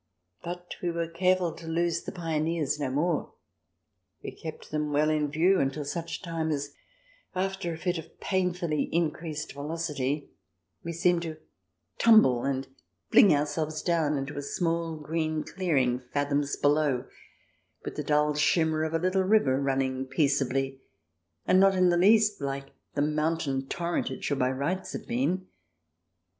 But we were careful to lose the pioneers no more ; we kept them well in view until such time as, after a fit of pain fully increased velocity, we seemed to tumble and fling ourselves down into a small green clearing, fathoms below, with the dull shimmerof a little river running peaceably, and not in the least like the mountain torrent it should by rights have been.